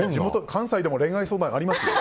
関西でも恋愛相談ありますよ